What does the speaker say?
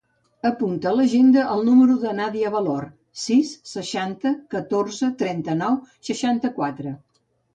Apunta a l'agenda el número de la Nàdia Valor: sis, seixanta, catorze, trenta-nou, seixanta-quatre.